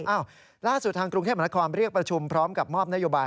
ล่าสุดทางกรุงเทพมนาคอมเรียกประชุมพร้อมกับมอบนโยบาย